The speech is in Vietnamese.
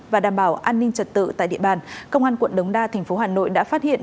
và đảm bảo an ninh trật tự tại địa bàn công an quận đống đa thành phố hà nội đã phát hiện